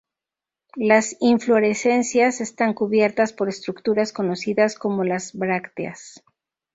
Las inflorescencias están cubiertas por estructuras conocidas como las brácteas.